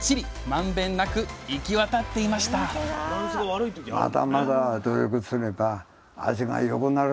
まんべんなく行き渡っていましたアハハハハハハ。